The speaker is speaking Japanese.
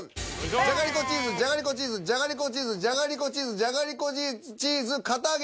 「じゃがりこチーズ」「じゃがりこチーズ」「じゃがりこチーズ」「じゃがりこチーズ」「じゃがりこチーズ」「堅あげ